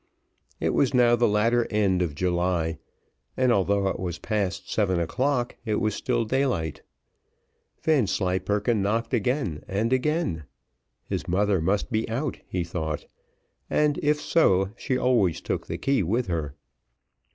It was now the latter end of July, and although it was past seven o'clock it was full daylight. Vanslyperken knocked again and again. His mother must be out, he thought; and if so, she always took the key with her.